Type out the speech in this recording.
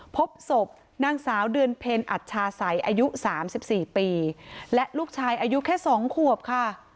พบสบนางสาวเดือนเพลอัจชาใสอายุสามสิบสี่ปีและลูกชายอายุแค่สองควบค่ะ